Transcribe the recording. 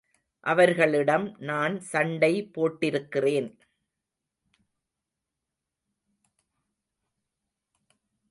அவர்களிடம் நான் சண்டைபோட்டிருக்கிறேன்.